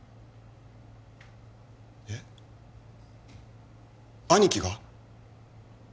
えっ兄貴が？